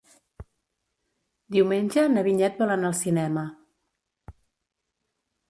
Diumenge na Vinyet vol anar al cinema.